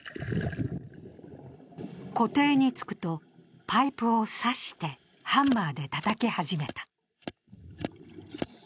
湖底に着くと、パイプを刺してハンマーでたたき始めた。